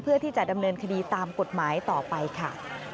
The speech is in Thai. เพื่อที่จะดำเนินคดีตามกฎหมายต่อไปค่ะ